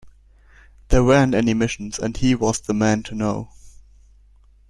There weren't any missions, and he was the man to know.